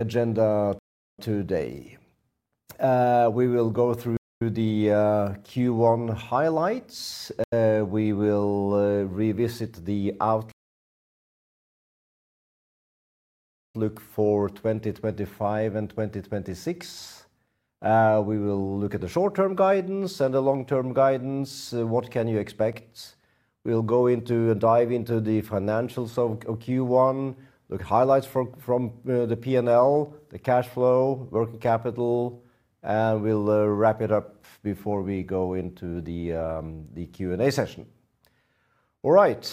Agenda today. We will go through the Q1 highlights. We will revisit the outlook for 2025 and 2026. We will look at the short-term guidance and the long-term guidance. What can you expect? We'll go into and dive into the financials of Q1, the highlights from the P&L, the cash flow, working capital, and we'll wrap it up before we go into the Q&A session. All right.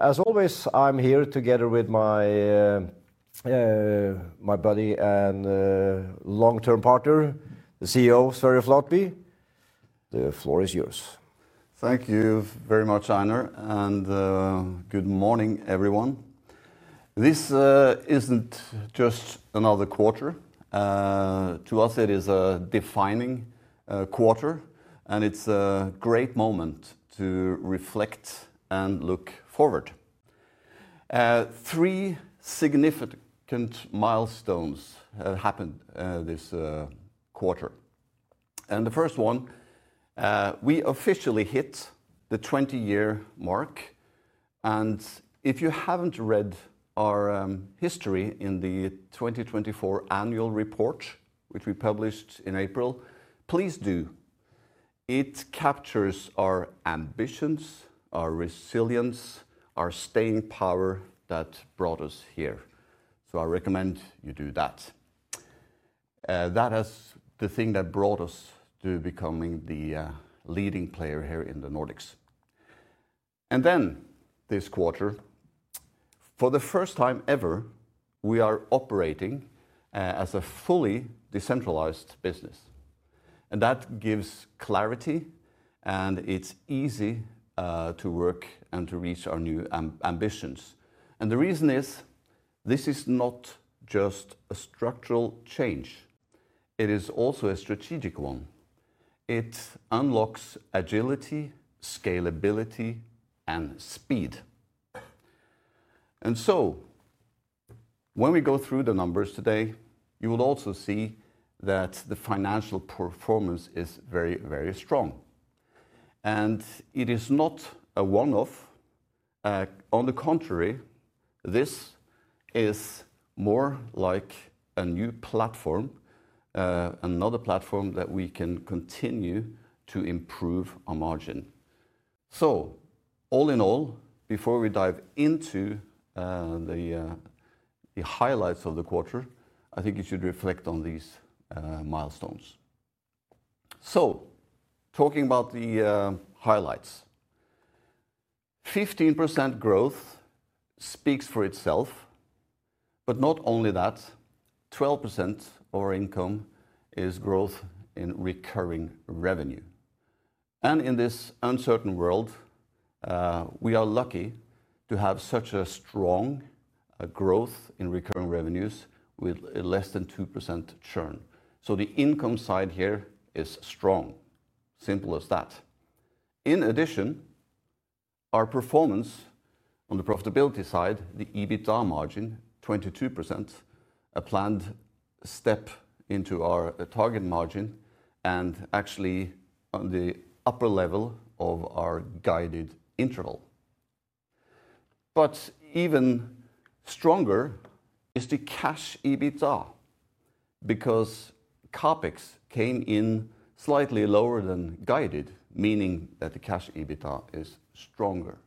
As always, I'm here together with my buddy and long-term partner, the CEO, Sverre Flatby. The floor is yours. Thank you very much, Einar, and good morning, everyone. This is not just another quarter to us, it is a defining quarter, and it is a great moment to reflect and look forward. Three significant milestones have happened this quarter. The first one, we officially hit the 20-year mark. If you have not read our history in the 2024 annual report, which we published in April, please do. It captures our ambitions, our resilience, our staying power that brought us here. I recommend you do that. That is the thing that brought us to becoming the leading player here in the Nordics. This quarter, for the first time ever, we are operating as a fully decentralized business. That gives clarity, and it is easy to work and to reach our new ambitions. The reason is, this is not just a structural change. It is also a strategic one. It unlocks agility, scalability, and speed. When we go through the numbers today, you will also see that the financial performance is very, very strong. It is not a one-off. On the contrary, this is more like a new platform, another platform that we can continue to improve our margin. All in all, before we dive into the highlights of the quarter, I think you should reflect on these milestones. Talking about the highlights, 15% growth speaks for itself. Not only that, 12% of our income is growth in recurring revenue. In this uncertain world, we are lucky to have such a strong growth in recurring revenues with less than 2% churn. The income side here is strong. Simple as that. In addition, our performance on the profitability side, the EBITDA margin, 22%, a planned step into our target margin and actually on the upper level of our guided interval. Even stronger is the cash EBITDA because CapEx came in slightly lower than guided, meaning that the cash EBITDA is stronger.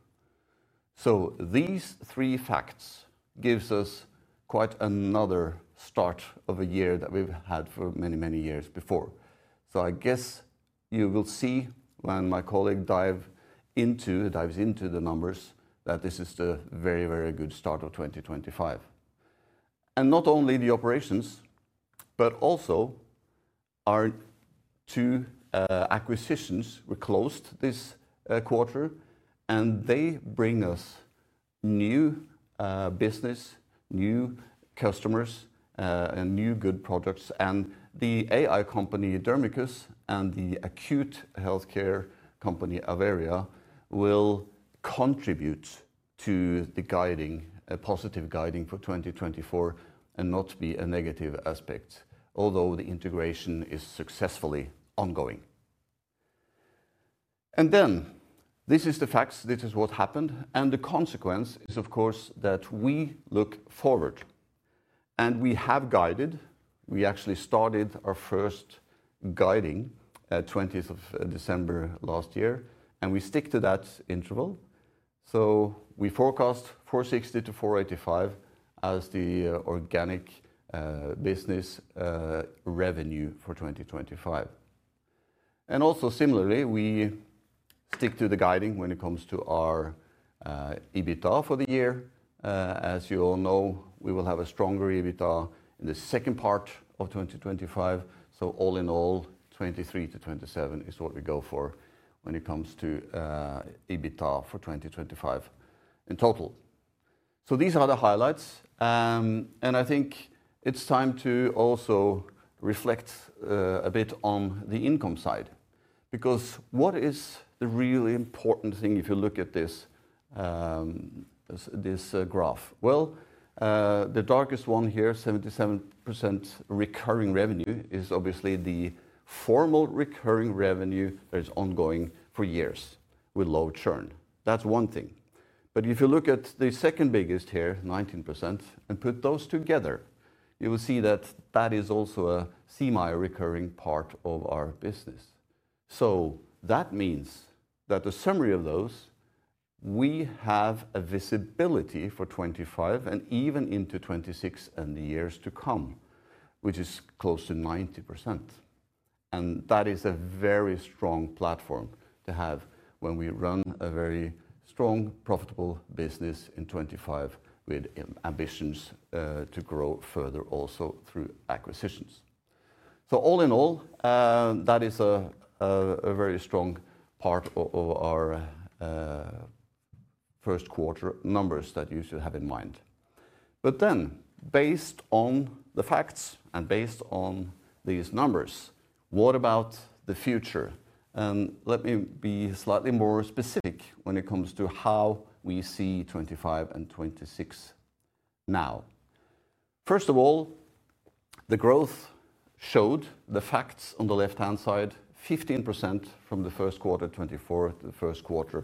These three facts give us quite another start of a year that we've had for many, many years before. I guess you will see when my colleague dives into the numbers that this is a very, very good start of 2025. Not only the operations, but also our two acquisitions were closed this quarter, and they bring us new business, new customers, and new good products. The AI company Dermicus and the acute healthcare company Aweria will contribute to the guiding, a positive guiding for 2024 and not be a negative aspect, although the integration is successfully ongoing. This is the facts. This is what happened. The consequence is, of course, that we look forward. We have guided. We actually started our first guiding at 20th of December last year, and we stick to that interval. We forecast 460 million-485 million as the organic, business revenue for 2025. Similarly, we stick to the guiding when it comes to our EBITDA for the year. As you all know, we will have a stronger EBITDA in the second part of 2025. All in all, 23 million-27 million is what we go for when it comes to EBITDA for 2025 in total. These are the highlights. I think it's time to also reflect a bit on the income side because what is the really important thing if you look at this graph? The darkest one here, 77% recurring revenue, is obviously the formal recurring revenue that is ongoing for years with low churn. That's one thing. If you look at the second biggest here, 19%, and put those together, you will see that that is also a semi-recurring part of our business. That means that the summary of those, we have a visibility for 2025 and even into 2026 and the years to come, which is close to 90%. That is a very strong platform to have when we run a very strong, profitable business in 2025 with ambitions to grow further also through acquisitions. All in all, that is a very strong part of our first quarter numbers that you should have in mind. Based on the facts and based on these numbers, what about the future? Let me be slightly more specific when it comes to how we see 2025 and 2026 now. First of all, the growth showed the facts on the left-hand side, 15% from the first quarter 2024 to the first quarter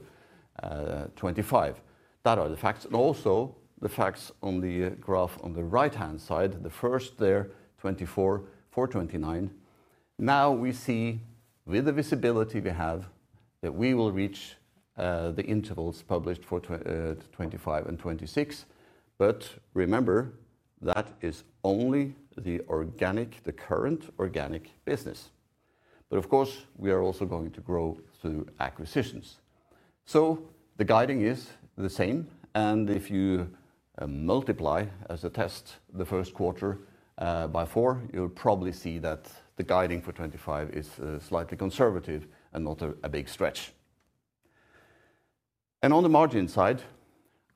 2025. That are the facts. Also the facts on the graph on the right-hand side, the first there, 2024 for 2029. Now we see with the visibility we have that we will reach the intervals published for 2025 and 2026. Remember, that is only the organic, the current organic business. Of course, we are also going to grow through acquisitions. The guiding is the same. If you multiply as a test the first quarter by four, you'll probably see that the guiding for 2025 is slightly conservative and not a big stretch. On the margin side,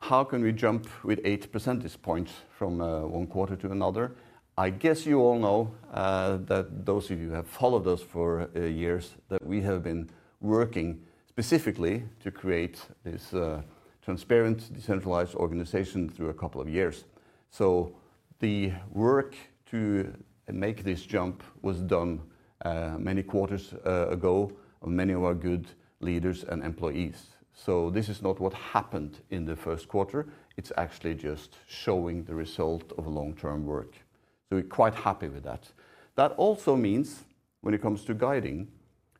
how can we jump with eight percentage points from one quarter to another? I guess you all know, those of you who have followed us for years, that we have been working specifically to create this transparent decentralized organization through a couple of years. The work to make this jump was done many quarters ago by many of our good leaders and employees. This is not what happened in the first quarter. It is actually just showing the result of long-term work. We're quite happy with that. That also means when it comes to guiding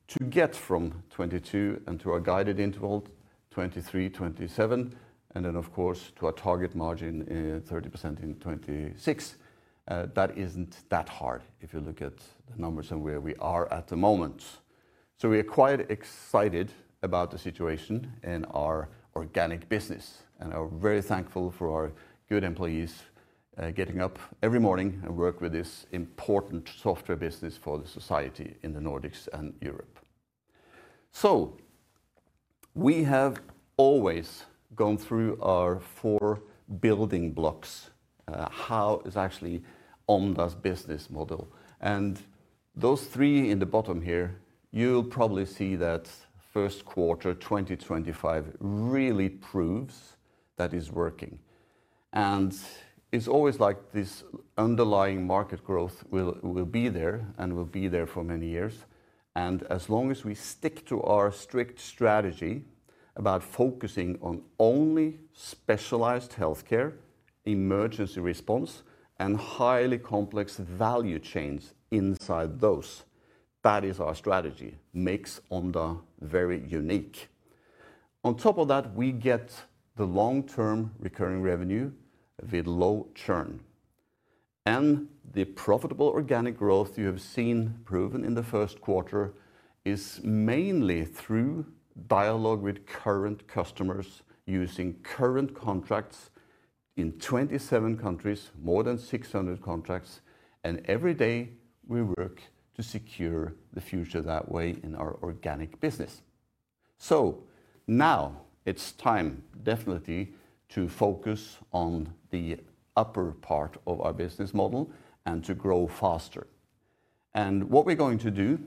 to get from 2022 and to our guided interval, 2023-2027, and then of course to our target margin, 30% in 2026, that isn't that hard if you look at the numbers and where we are at the moment. We are quite excited about the situation in our organic business and are very thankful for our good employees, getting up every morning and work with this important software business for the society in the Nordics and Europe. We have always gone through our four building blocks, how is actually Omda's business model. Those three in the bottom here, you'll probably see that first quarter 2025 really proves that it's working. It's always like this underlying market growth will be there and will be there for many years. As long as we stick to our strict strategy about focusing on only specialized healthcare, emergency response, and highly complex value chains inside those, that is our strategy makes Omda very unique. On top of that, we get the long-term recurring revenue with low churn. The profitable organic growth you have seen proven in the first quarter is mainly through dialogue with current customers using current contracts in 27 countries, more than 600 contracts. Every day we work to secure the future that way in our organic business. Now it is time definitely to focus on the upper part of our business model and to grow faster. What we are going to do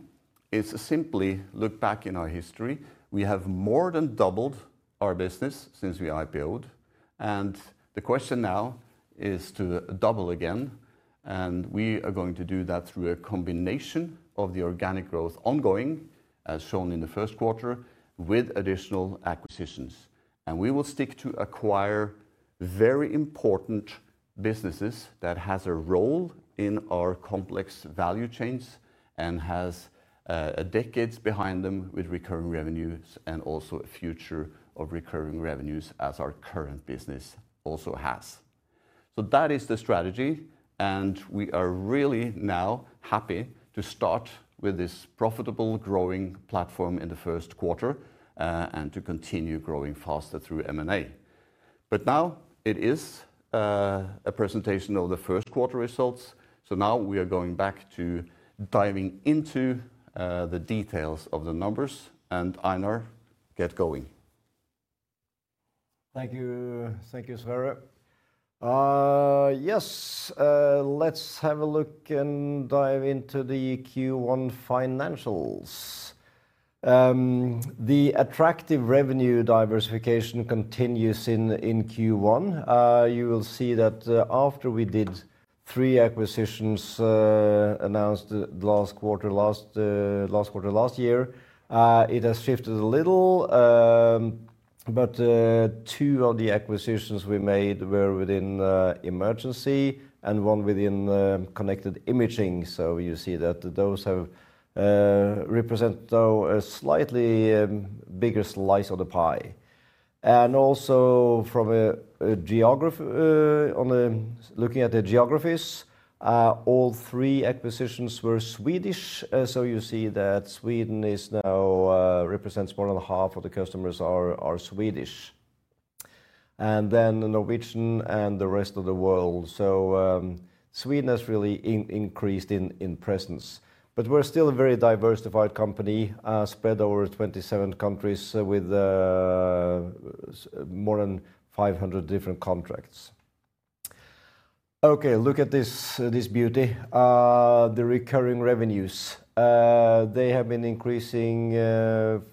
is simply look back in our history. We have more than doubled our business since we IPO'd. The question now is to double again. We are going to do that through a combination of the organic growth ongoing, as shown in the first quarter, with additional acquisitions. We will stick to acquire very important businesses that have a role in our complex value chains and have decades behind them with recurring revenues and also a future of recurring revenues as our current business also has. That is the strategy. We are really now happy to start with this profitable growing platform in the first quarter, and to continue growing faster through M&A. Now it is a presentation of the first quarter results. We are going back to diving into the details of the numbers. Einar, get going. Thank you. Thank you, Sverre. Yes. Let's have a look and dive into the Q1 financials. The attractive revenue diversification continues in Q1. You will see that, after we did three acquisitions, announced the last quarter, last, last quarter last year, it has shifted a little. Two of the acquisitions we made were within emergency and one within connected imaging. You see that those have, represent though a slightly bigger slice of the pie. Also from a, a geograph, on the looking at the geographies, all three acquisitions were Swedish. You see that Sweden is now, represents more than half of the customers are, are Swedish. Then Norwegian and the rest of the world. Sweden has really increased in, in presence. We are still a very diversified company, spread over 27 countries with more than 500 different contracts. Okay. Look at this, this beauty. The recurring revenues, they have been increasing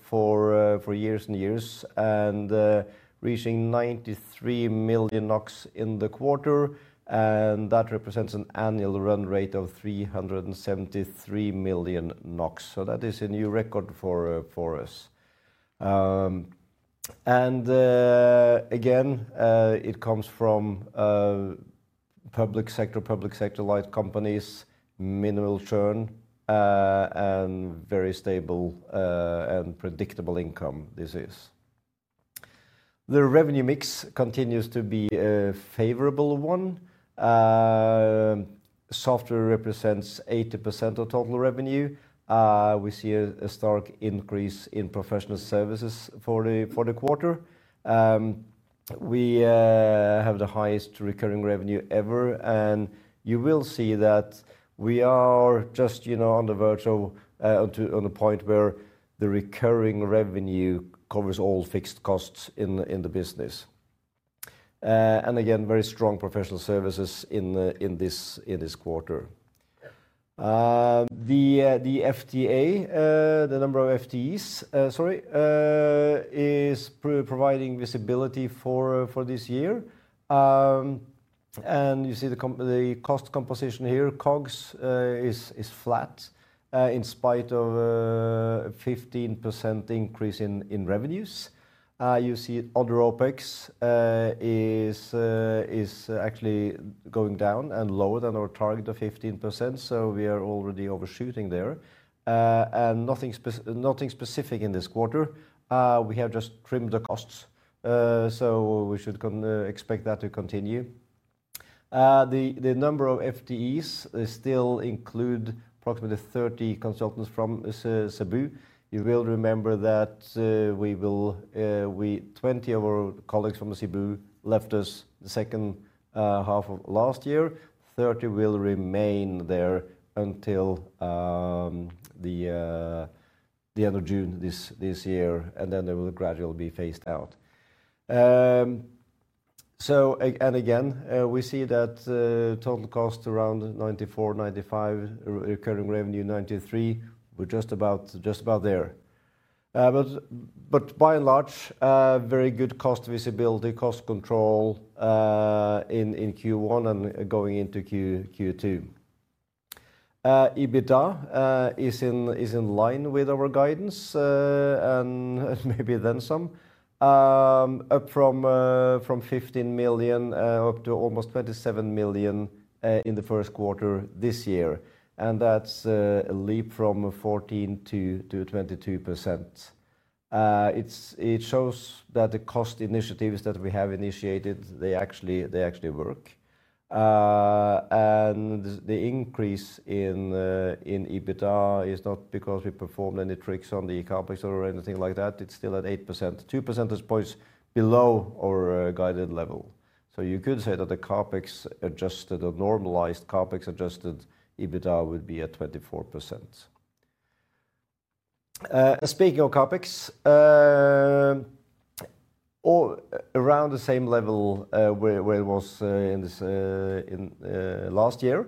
for, for years and years and, reaching 93 million NOK in the quarter. That represents an annual run rate of 373 million NOK. That is a new record for us. It comes from public sector, public sector-like companies, minimal churn, and very stable and predictable income. The revenue mix continues to be a favorable one. Software represents 80% of total revenue. We see a stark increase in professional services for the quarter. We have the highest recurring revenue ever. You will see that we are just, you know, on the virtual, on the point where the recurring revenue covers all fixed costs in the business. Again, very strong professional services in this quarter. The number of FTEs is providing visibility for this year. You see the cost composition here, COGS is flat, in spite of a 15% increase in revenues. You see other OpEx is actually going down and lower than our target of 15%. We are already overshooting there. Nothing specific in this quarter. We have just trimmed the costs. We should expect that to continue. The number of FTEs still includes approximately 30 consultants from Cebu. You will remember that 20 of our colleagues from Cebu left us the second half of last year. Thirty will remain there until the end of June this year, and then they will gradually be phased out. Again, we see that total cost is around 94 million-95 million, recurring revenue 93 million. We are just about there. By and large, very good cost visibility, cost control in Q1 and going into Q2. EBITDA is in line with our guidance, and maybe then some, up from 15 million up to almost 27 million in the first quarter this year. That is a leap from 14% to 22%. It shows that the cost initiatives that we have initiated, they actually work. The increase in EBITDA is not because we performed any tricks on the CapEx or anything like that. It is still at 8%, two percentage points below our guided level. You could say that the CapEx adjusted or normalized CapEx Adjusted EBITDA would be at 24%. Speaking of CapEx, we are around the same level where it was last year,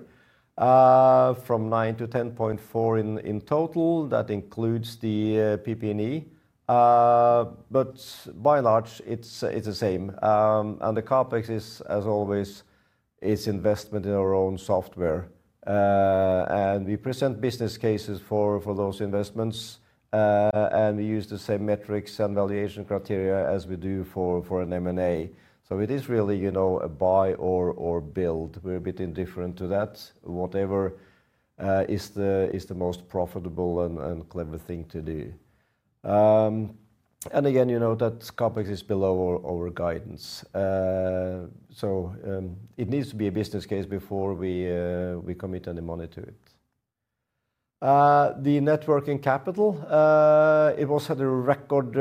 from 9 million to 10.4 million in total. That includes the PP&E. By and large, it's the same. The CapEx is, as always, investment in our own software. We present business cases for those investments, and we use the same metrics and valuation criteria as we do for M&A. It is really, you know, a buy or build. We're a bit indifferent to that. Whatever is the most profitable and clever thing to do. Again, you know, that CapEx is below our guidance, so it needs to be a business case before we commit any money to it. The net working capital, it was at a record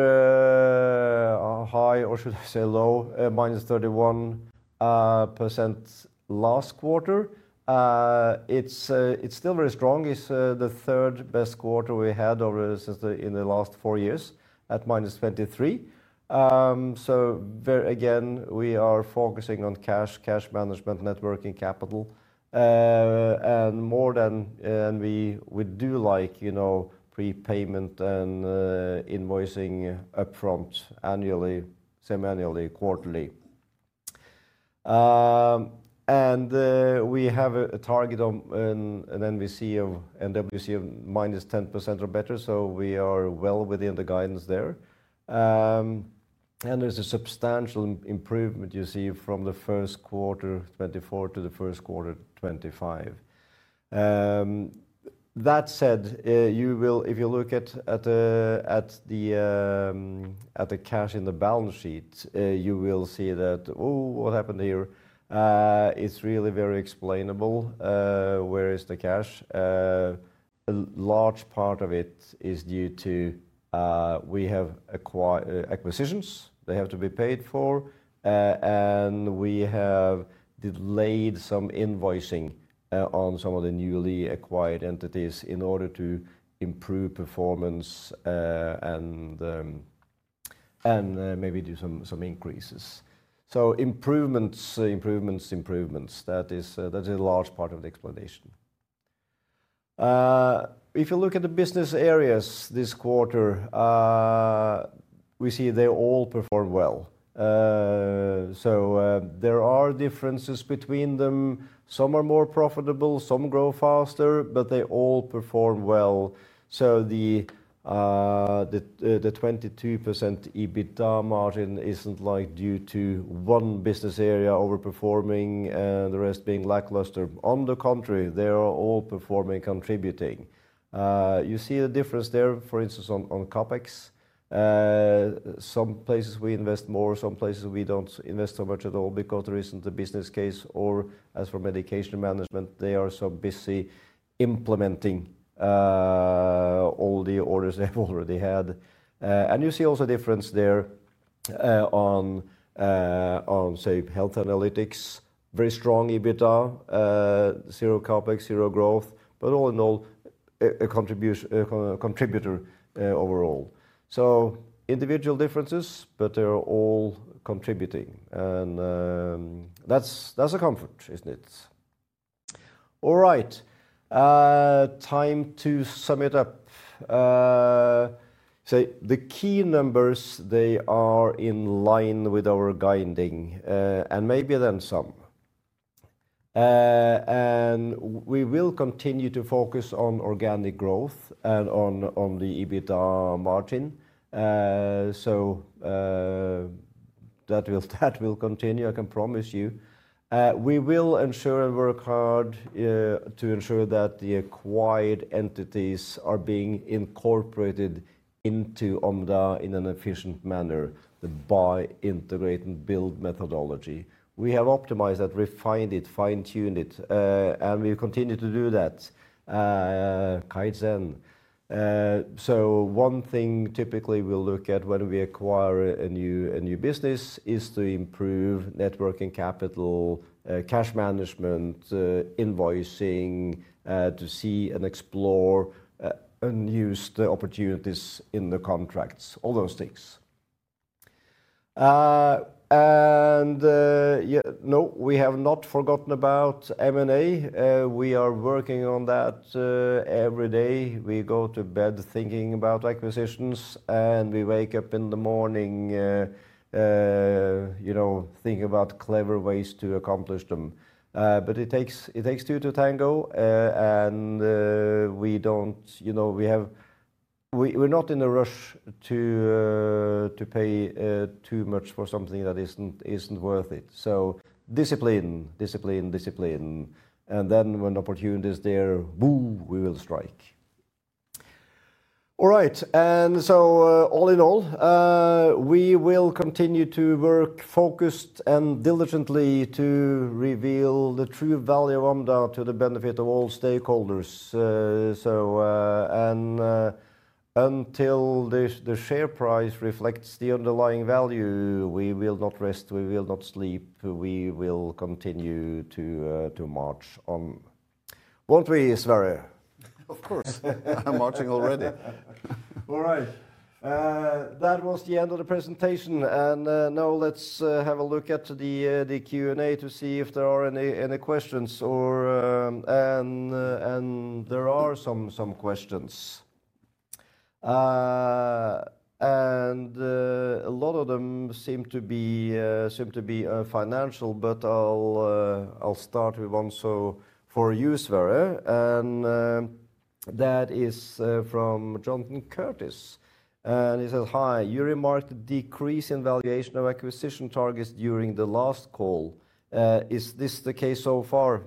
high, or should I say low, -31% last quarter. It's still very strong. It's the third best quarter we had over, since the, in the last four years at -23%. So, very again, we are focusing on cash, cash management, net working capital, and more than, and we, we do like, you know, prepayment and invoicing upfront annually, semi-annually, quarterly. And, we have a target of an NWC of -10% or better. So, we are well within the guidance there. And there's a substantial improvement you see from the first quarter 2024 to the first quarter 2025. That said, you will, if you look at, at, at the cash in the balance sheet, you will see that, oh, what happened here? It's really very explainable. Where is the cash? A large part of it is due to, we have acquired acquisitions they have to be paid for. And we have delayed some invoicing, on some of the newly acquired entities in order to improve performance, and, and, maybe do some, some increases. So improvements, improvements, improvements. That is, that is a large part of the explanation. If you look at the business areas this quarter, we see they all perform well. There are differences between them. Some are more profitable, some grow faster, but they all perform well. The 22% EBITDA margin is not due to one business area overperforming, the rest being lackluster. On the contrary, they are all performing, contributing. You see the difference there, for instance, on CapEx. Some places we invest more, some places we do not invest so much at all because there is not a business case or, as for medication management, they are so busy implementing all the orders they have already had. You see also a difference there on, say, health analytics, very strong EBITDA, zero CapEx, zero growth, but all in all, a contributor overall. Individual differences, but they are all contributing. That's a comfort, isn't it? All right. Time to sum it up. The key numbers, they are in line with our guiding, and maybe then some. We will continue to focus on organic growth and on the EBITDA margin. That will continue. I can promise you. We will ensure and work hard to ensure that the acquired entities are being incorporated into Omda in an efficient manner, the buy, integrate, and build methodology. We have optimized that, refined it, fine-tuned it, and we continue to do that. Kaizen. One thing typically we'll look at when we acquire a new business is to improve net working capital, cash management, invoicing, to see and explore unused opportunities in the contracts, all those things. No, we have not forgotten about M&A. We are working on that every day. We go to bed thinking about acquisitions and we wake up in the morning, you know, thinking about clever ways to accomplish them. It takes two to tango, and we don't, you know, we're not in a rush to pay too much for something that isn't worth it. Discipline, discipline, discipline. When opportunity is there, boom, we will strike. All right. All in all, we will continue to work focused and diligently to reveal the true value of Omda to the benefit of all stakeholders. Until the share price reflects the underlying value, we will not rest, we will not sleep. We will continue to march on. Won't we, Sverre? Of course. I'm marching already. All right. That was the end of the presentation. Now let's have a look at the Q&A to see if there are any questions, and there are some questions. A lot of them seem to be financial, but I'll start with one for you, Sverre. That is from Jonathan Curtis. He says, hi, you remarked a decrease in valuation of acquisition targets during the last call. Is this the case so far?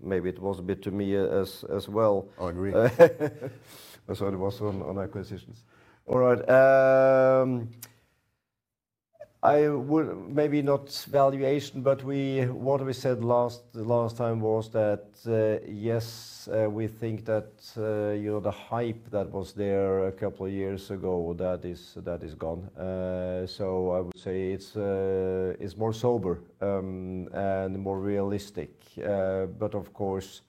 Maybe it was a bit to me as well. I agree. I thought it was on acquisitions. I would maybe not say valuation, but what we said last time was that, yes, we think that the hype that was there a couple of years ago, that is gone. I would say it's more sober and more realistic. Of course,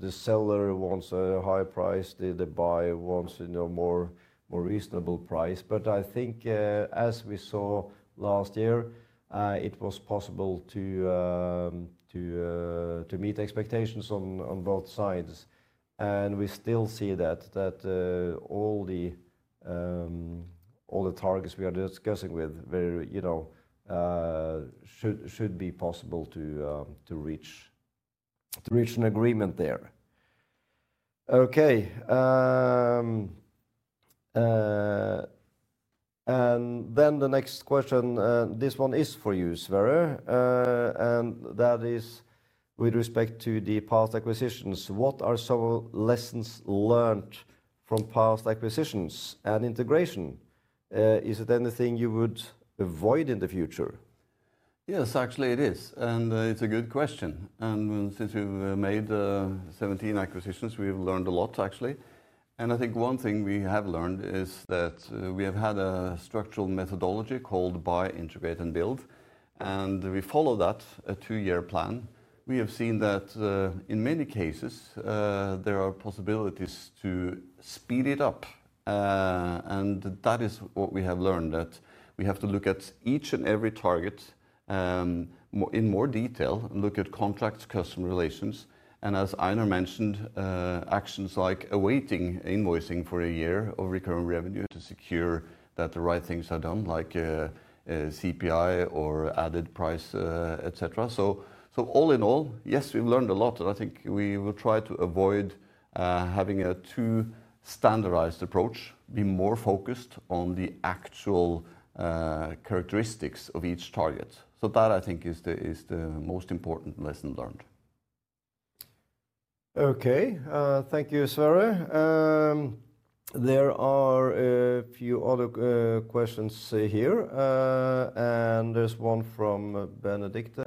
the seller wants a higher price. The buyer wants, you know, a more reasonable price. I think, as we saw last year, it was possible to meet expectations on both sides. We still see that all the targets we are discussing with, very, you know, should be possible to reach an agreement there. Okay. The next question, this one is for you, Sverre. That is with respect to the past acquisitions. What are some lessons learned from past acquisitions and integration? Is it anything you would avoid in the future? Yes, actually it is. It's a good question. Since we've made 17 acquisitions, we've learned a lot actually. I think one thing we have learned is that we have had a structural methodology called buy, integrate, and build. We follow that two-year plan. We have seen that, in many cases, there are possibilities to speed it up. That is what we have learned, that we have to look at each and every target in more detail and look at contracts, customer relations. As Einar mentioned, actions like awaiting invoicing for a year of recurring revenue to secure that the right things are done, like CPI or added price, et cetera. All in all, yes, we've learned a lot. I think we will try to avoid having a too standardized approach, be more focused on the actual characteristics of each target. That, I think, is the most important lesson learned. Okay, thank you, Sverre. There are a few other questions here, and there's one from Benedicte.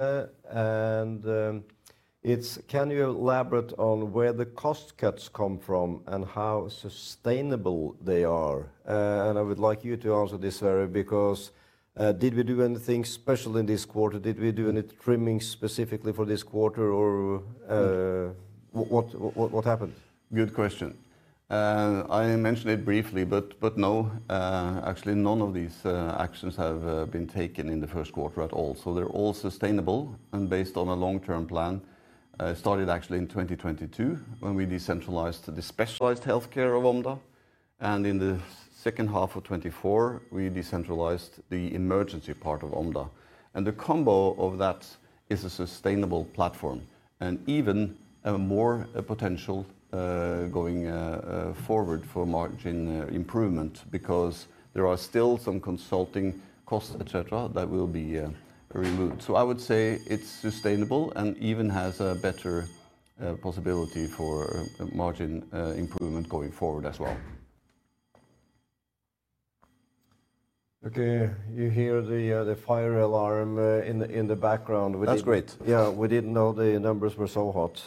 Can you elaborate on where the cost cuts come from and how sustainable they are? I would like you to answer this, Sverre, because did we do anything special in this quarter? Did we do any trimming specifically for this quarter or what happened? Good question. I mentioned it briefly, but no, actually none of these actions have been taken in the first quarter at all. They are all sustainable and based on a long-term plan. It started actually in 2022 when we decentralized the specialized healthcare of Omda. In the second half of 2024, we decentralized the emergency part of Omda. The combo of that is a sustainable platform and even more potential going forward for margin improvement because there are still some consulting costs, et cetera, that will be removed. I would say it's sustainable and even has a better possibility for margin improvement going forward as well. Okay. You hear the fire alarm in the background. That's great. Yeah. We didn't know the numbers were so hot.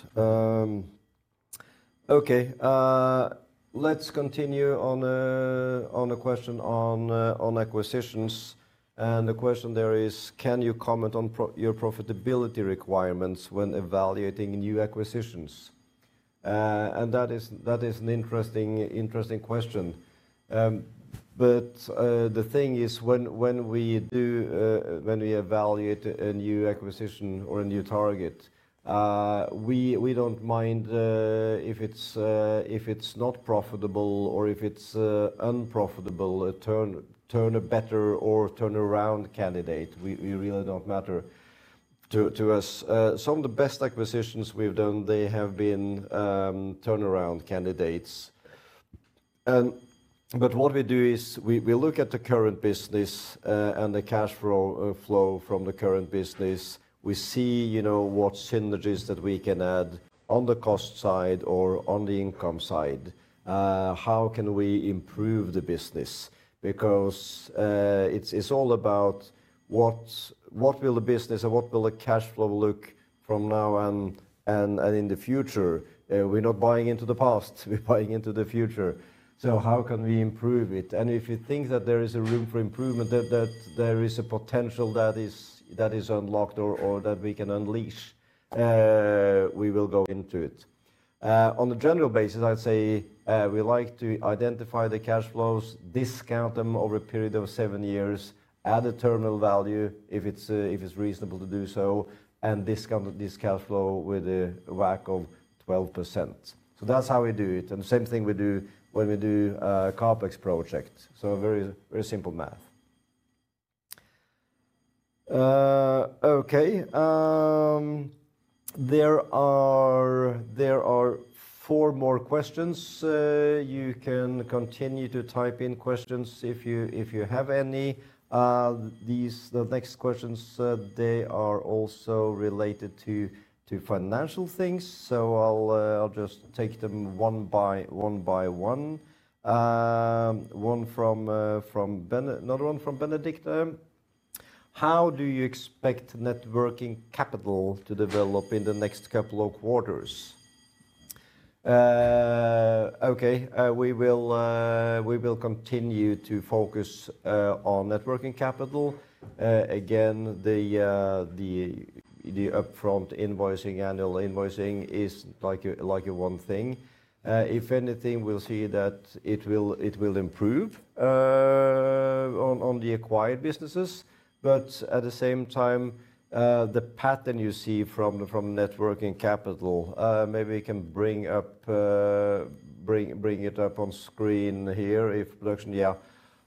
Okay. Let's continue on the question on acquisitions. The question there is, can you comment on your profitability requirements when evaluating new acquisitions? That is an interesting question. The thing is, when we evaluate a new acquisition or a new target, we don't mind if it's not profitable or if it's an unprofitable turnaround candidate. It really doesn't matter to us. Some of the best acquisitions we've done have been turnaround candidates. What we do is we look at the current business, and the cash flow from the current business. We see, you know, what synergies that we can add on the cost side or on the income side. How can we improve the business? Because it is all about what will the business and what will the cash flow look from now and in the future? We are not buying into the past. We are buying into the future. How can we improve it? And if you think that there is a room for improvement, that there is a potential that is unlocked or that we can unleash, we will go into it. On a general basis, I'd say, we like to identify the cash flows, discount them over a period of seven years, add a terminal value if it's, if it's reasonable to do so, and discount this cash flow with a WACC of 12%. That's how we do it. The same thing we do when we do CapEx projects. Very, very simple math. Okay. There are four more questions. You can continue to type in questions if you have any. The next questions, they are also related to financial things. I'll just take them one by one. One from Ben, another one from Benedicte. How do you expect net working capital to develop in the next couple of quarters? Okay. We will continue to focus on net working capital. Again, the upfront invoicing, annual invoicing is like a one thing. If anything, we'll see that it will improve on the acquired businesses. At the same time, the pattern you see from net working capital, maybe we can bring it up on screen here. If production, yeah,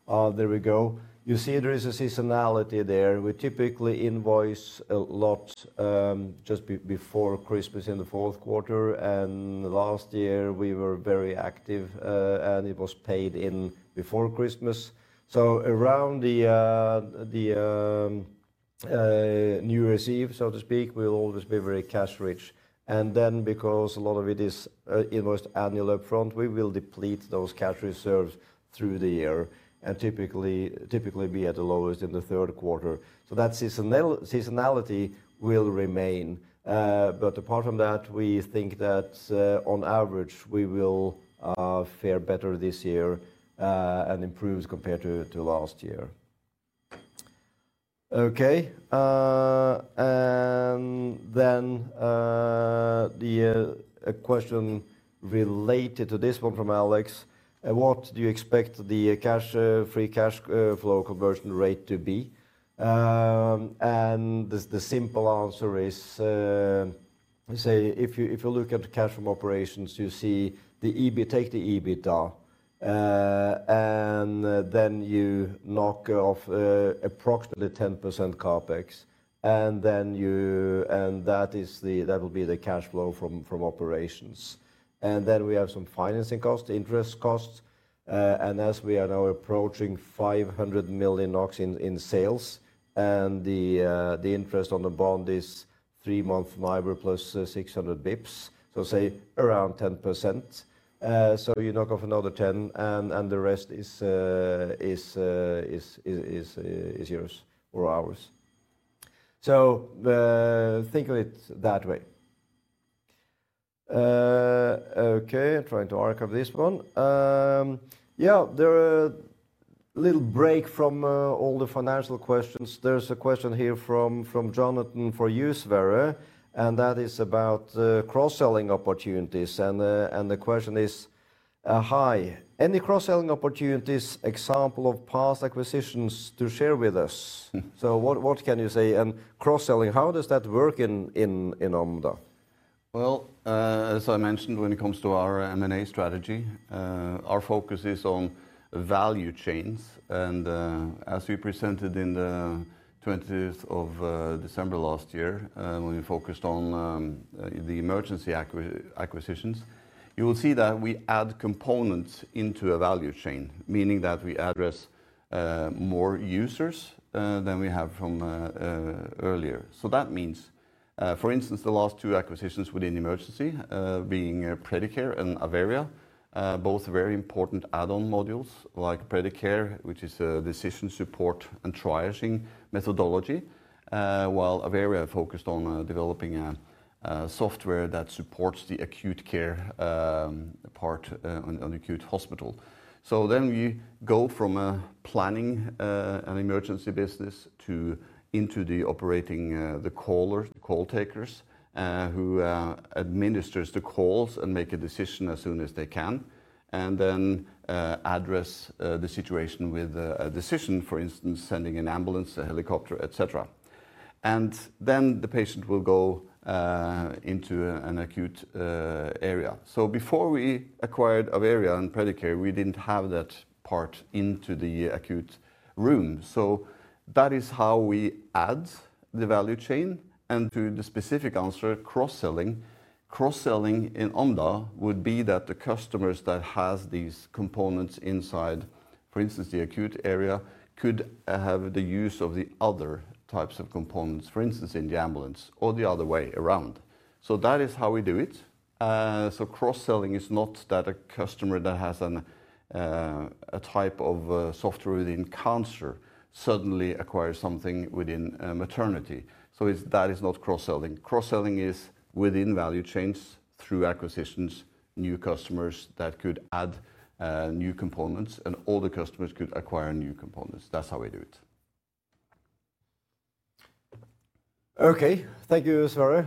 there we go. You see there is a seasonality there. We typically invoice a lot just before Christmas in the fourth quarter. Last year we were very active, and it was paid in before Christmas. Around the new year, so to speak, we'll always be very cash rich. Because a lot of it is invoiced annual upfront, we will deplete those cash reserves through the year and typically be at the lowest in the third quarter. That seasonality will remain. Apart from that, we think that, on average, we will fare better this year and improve compared to last year. Okay. The question related to this one from Alex, what do you expect the cash, free cash flow conversion rate to be? The simple answer is, say if you look at cash from operations, you see the EBIT, take the EBITDA, and then you knock off approximately 10% CapEx. That will be the cash flow from operations. Then we have some financing costs, interest costs. As we are now approaching 500 million NOK in sales, the interest on the bond is three months NIBOR plus 600 bps, so say around 10%. So you knock off another 10 and the rest is yours or ours. Think of it that way. Okay. I'm trying to archive this one. Yeah, there is a little break from all the financial questions. There's a question here from Jonathan for you, Sverre. That is about cross-selling opportunities. The question is, hi, any cross-selling opportunities, example of past acquisitions to share with us? What can you say? Cross-selling, how does that work in Omda? As I mentioned, when it comes to our M&A strategy, our focus is on value chains. As we presented on the 20th of December last year, when we focused on the emergency acquisitions, you will see that we add components into a value chain, meaning that we address more users than we have from earlier. That means, for instance, the last two acquisitions within emergency, being Predicare and Aweria, both very important add-on modules like Predicare, which is a decision support and triaging methodology, while Aweria focused on developing a software that supports the acute care part, on acute hospital. We go from a planning, an emergency business to into the operating, the callers, the call takers, who administer the calls and make a decision as soon as they can, and then address the situation with a decision, for instance, sending an ambulance, a helicopter, et cetera. Then the patient will go into an acute area. Before we acquired Aweria and Predicare, we did not have that part into the acute room. That is how we add the value chain. To the specific answer, cross-selling in Omda would be that the customers that have these components inside, for instance, the acute area could have the use of the other types of components, for instance, in the ambulance or the other way around. That is how we do it. Cross-selling is not that a customer that has a type of software within cancer suddenly acquires something within maternity. That is not cross-selling. Cross-selling is within value chains through acquisitions, new customers that could add new components and all the customers could acquire new components. That is how we do it. Thank you, Sverre.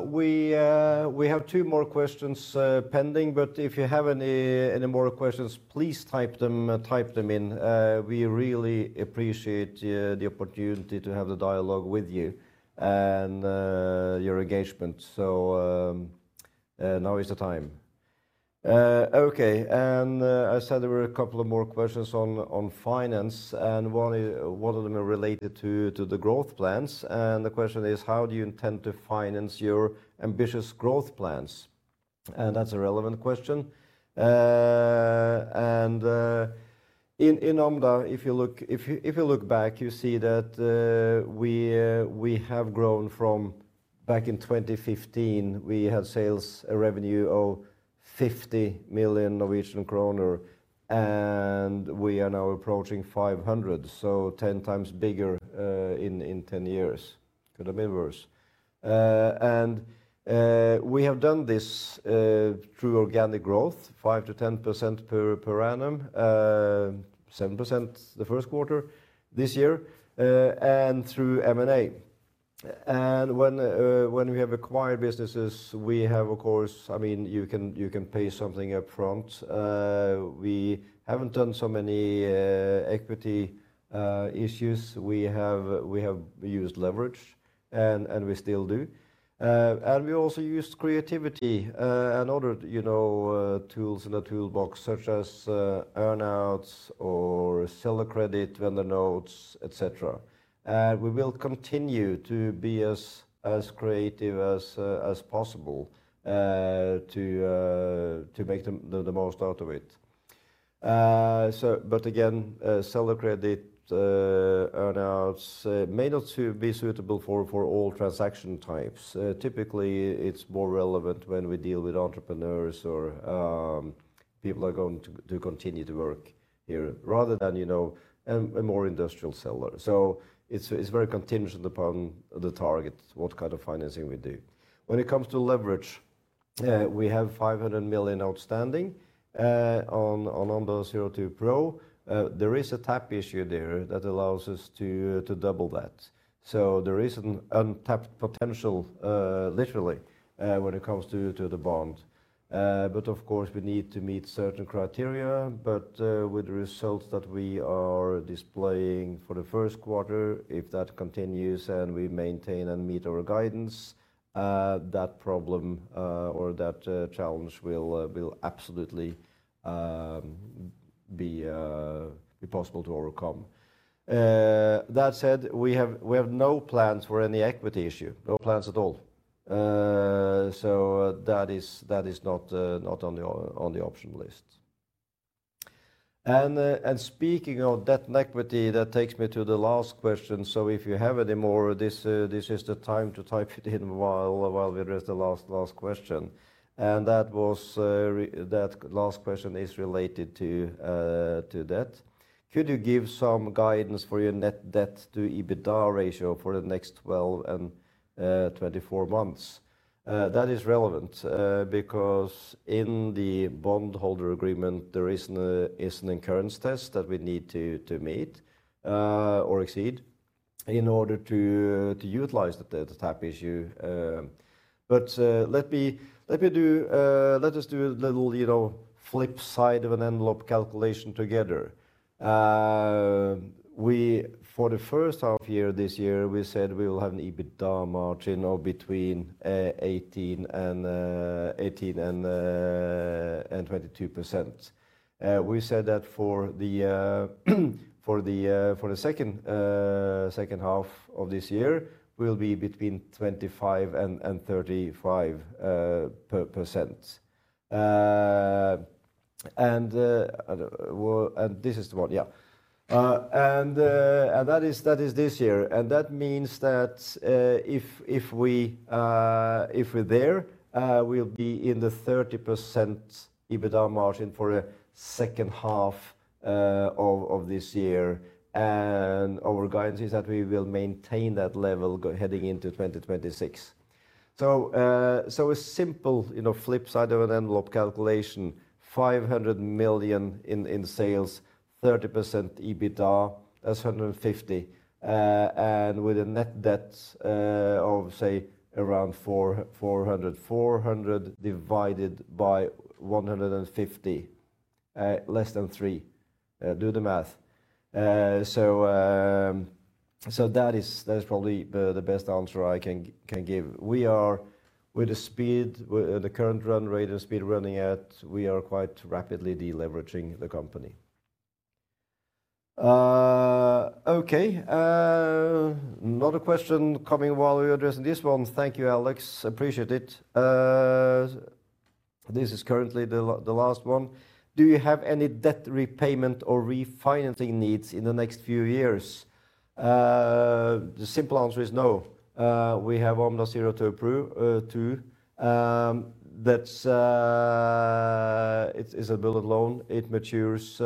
We have two more questions pending, but if you have any more questions, please type them in. We really appreciate the opportunity to have the dialogue with you and your engagement. Now is the time. Okay. And, I said there were a couple of more questions on finance. One is, one of them are related to the growth plans. The question is, how do you intend to finance your ambitious growth plans? That is a relevant question. In Omda, if you look, if you look back, you see that we have grown from back in 2015, we had sales revenue of 50 million Norwegian kroner, and we are now approaching 500 million, so 10 times bigger in 10 years. Could have been worse. We have done this through organic growth, 5%-10% per annum, 7% the first quarter this year, and through M&A. When we have acquired businesses, we have, of course, I mean, you can pay something upfront. We have not done so many equity issues. We have used leverage and we still do. We also used creativity and other, you know, tools in the toolbox such as earnouts or seller credit, vendor notes, et cetera. We will continue to be as creative as possible to make the most out of it. Seller credit, earnouts may not be suitable for all transaction types. Typically, it is more relevant when we deal with entrepreneurs or people who are going to continue to work here rather than, you know, a more industrial seller. It is very contingent upon the target, what kind of financing we do. When it comes to leverage, we have 500 million outstanding on OMDA02 PRO. There is a tap issue there that allows us to double that. There is an untapped potential, literally, when it comes to the bond. Of course, we need to meet certain criteria, but with the results that we are displaying for the first quarter, if that continues and we maintain and meet our guidance, that problem, or that challenge, will absolutely be possible to overcome. That said, we have no plans for any equity issue, no plans at all. That is not on the option list. Speaking of debt and equity, that takes me to the last question. If you have any more, this is the time to type it in while we address the last question. That last question is related to debt. Could you give some guidance for your net debt-to-EBITDA ratio for the next 12 and 24 months? That is relevant, because in the bondholder agreement, there is not a current test that we need to meet or exceed in order to utilize the tap issue. Let me, let us do a little, you know, flip side of an envelope calculation together. We, for the first half year this year, we said we will have an EBITDA margin of between 18% and 22%. We said that for the second half of this year will be between 25% and 35%. This is the one, yeah. That is this year. That means that, if we are there, we will be in the 30% EBITDA margin for the second half of this year. Our guidance is that we will maintain that level heading into 2026. A simple, you know, flip side of an envelope calculation, 500 million in sales, 30% EBITDA is 150 million, and with a net debt of, say, around 400 million, 400 divided by 150, less than three, do the math. That is probably the best answer I can give. We are, with the current run rate and speed we are running at, quite rapidly deleveraging the company. Okay. Not a question coming while we are addressing this one. Thank you, Alex. Appreciate it. This is currently the last one. Do you have any debt repayment or refinancing needs in the next few years? The simple answer is no. We have OMDA02. That's, it's a billed loan. It matures,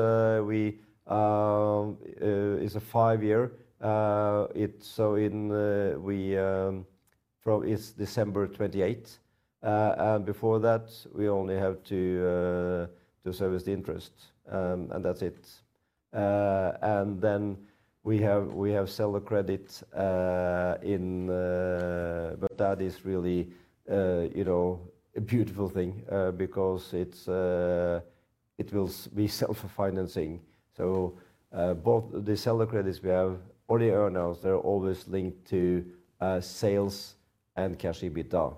we, is a five year. It's so in, we, from is December 28th. And before that, we only have to service the interest. And that's it. Then we have, we have seller credit, in, but that is really, you know, a beautiful thing, because it's, it will be self-financing. Both the seller credits we have or the earnouts, they're always linked to sales and cash EBITDA.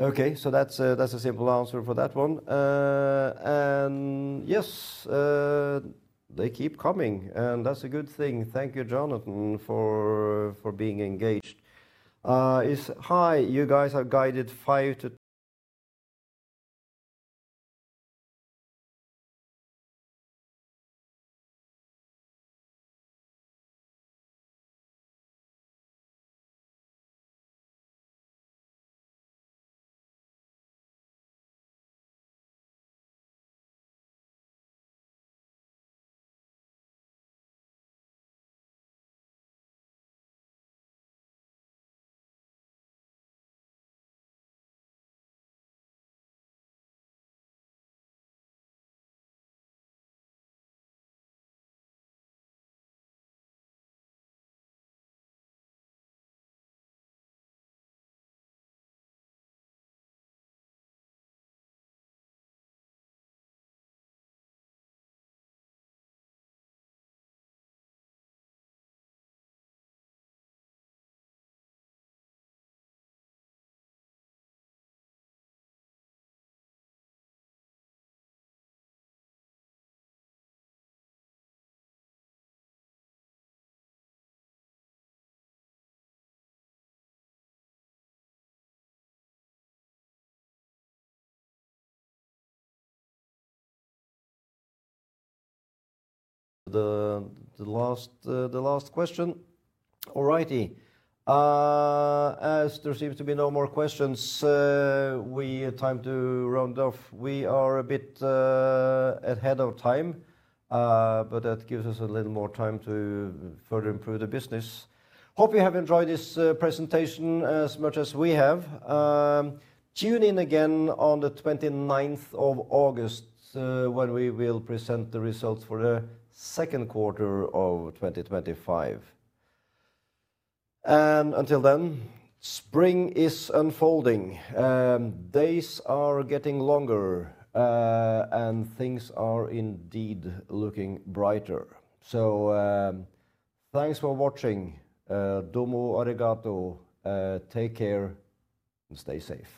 Okay. That's a simple answer for that one. Yes, they keep coming. That's a good thing. Thank you, Jonathan, for being engaged. Is hi, you guys have guided five to. The, the last, the last question. Alrighty. As there seems to be no more questions, we have time to round off. We are a bit ahead of time, but that gives us a little more time to further improve the business. Hope you have enjoyed this presentation as much as we have. Tune in again on the 29th of August, when we will present the results for the second quarter of 2025. Until then, spring is unfolding, days are getting longer, and things are indeed looking brighter. Thanks for watching. Domo arigato. Take care and stay safe.